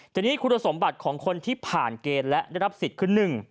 ทีนี้คุณสมบัติของคนที่ผ่านเกณฑ์และได้รับสิทธิ์คือ๑